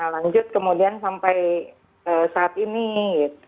lanjut kemudian sampai saat ini gitu